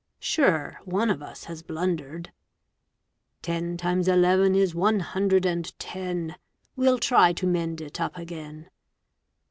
Sure, one of us has blundered. Ten times eleven is one hundred and ten. We'll try to mend it up again.